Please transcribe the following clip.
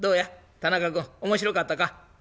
田中君面白かったか？」。